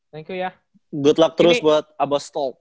thank you ya good luck terus buat abostolk